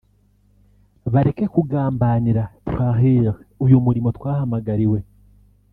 bareke kugambanira (Trahir) uyu murimo twahamagariwe